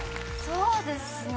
そうですね。